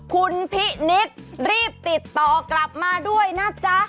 คุณพินิษฐ์รีบติดต่อกลับมาด้วยนะจ๊ะ